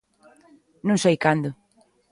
Non sei cando.